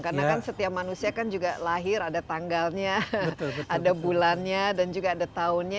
karena kan setiap manusia kan juga lahir ada tanggalnya ada bulannya dan juga ada tahunnya